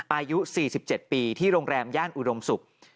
อายุ๔๗ปีที่โรงแรมย่านอุดมศุกร์